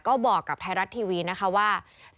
ก็บอกกับไทยรัฐทีวีนะคะว่า